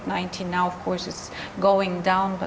tentunya sekarang itu sedang menurun